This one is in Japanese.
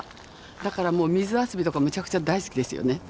だからもう水遊びとかむちゃくちゃ大好きですよね。